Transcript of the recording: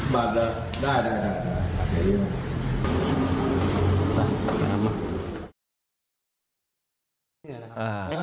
บัตรเหรอได้